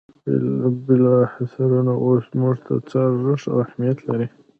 بالا حصارونه اوس موږ ته څه ارزښت او اهمیت لري.